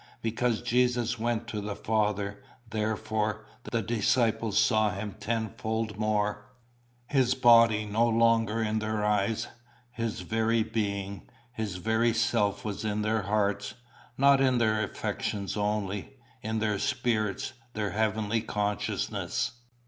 Because Jesus went to the Father, therefore the disciples saw him tenfold more. His body no longer in their eyes, his very being, his very self was in their hearts not in their affections only in their spirits, their heavenly consciousness."